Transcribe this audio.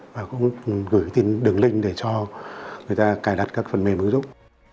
và cũng gửi tin đường link để cho người ta cài đặt các phần mềm ứng dụng